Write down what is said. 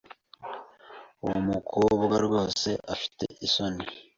Uwo mukobwa rwose afite isoni.